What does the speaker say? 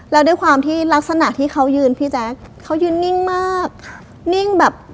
แล้วด้วยความที่ลักษณะที่เขายืนพี่แจ๊คเขายืนนิ่งมากนิ่งแบบ